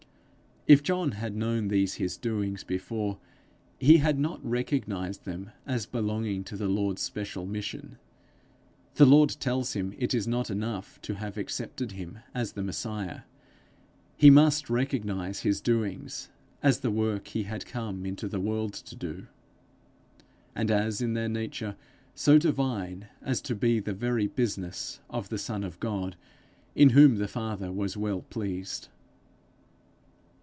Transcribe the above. If John had known these his doings before, he had not recognized them as belonging to the Lord's special mission: the Lord tells him it is not enough to have accepted him as the Messiah; he must recognize his doings as the work he had come into the world to do, and as in their nature so divine as to be the very business of the Son of God in whom the Father was well pleased.